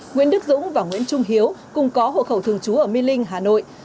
nguyễn đức dũng và nguyễn trung hiếu cùng có hộ khẩu thường chú ở minh linh hà nội